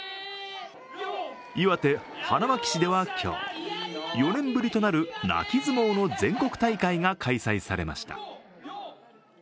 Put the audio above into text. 岩手・花巻市では今日、４年ぶりとなる泣き相撲の全国大会が開催されました。